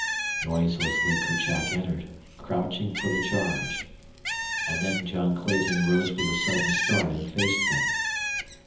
Noiselessly Kerchak entered, crouching for the charge; and then John Clayton rose with a sudden start and faced them.